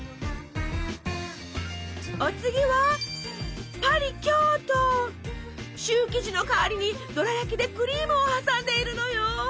お次はシュー生地の代わりにどら焼きでクリームを挟んでいるのよ。